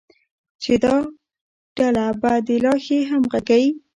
چې دا ډله به د لا ښې همغږۍ،